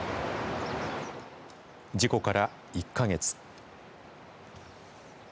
事故から１か月。